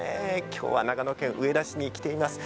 今日は長野県上田市に来ています。